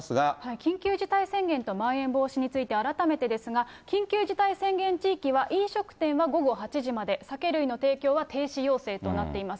緊急事態宣言とまん延防止について改めてですが、緊急事態宣言地域は飲食店は午後８時まで、酒類の提供は停止要請となっています。